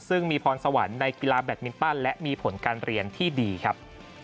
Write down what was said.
ซึ่งมีพรสวรรค์ในกีฬาแบตมินตันและมีผลการเรียนที่ดีครับ